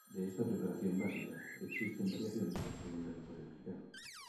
De esta preparación básica existen variaciones por todo el territorio mexicano.